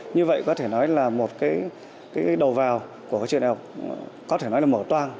như vậy có thể nói là một cái đầu vào của trường đại học có thể nói là mở toan